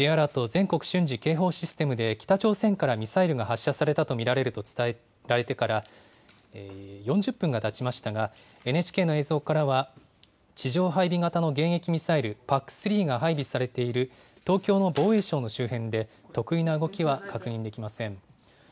・全国瞬時警報システムで北朝鮮からミサイルが発射されたと見られると伝えられてから４０分がたちましたが、ＮＨＫの映像からは地上配備型の迎撃ミサイル・ＰＡＣ３が配備されている東京の防衛省の周辺で、特異な動きは確認できません。